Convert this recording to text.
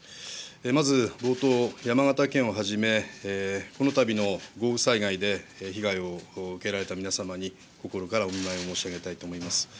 まず冒頭、山形県をはじめ、このたびの豪雨災害で被害を受けられた皆様に、心からお見舞いを申し上げたいと思います。